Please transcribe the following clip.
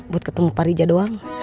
buat ketemu parija doang